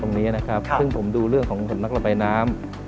ตรงนี้นะครับซึ่งผมดูเรื่องของสำนักระบายน้ำ